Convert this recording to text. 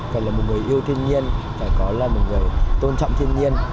phải là một người yêu thiên nhiên phải có là một người tôn trọng thiên nhiên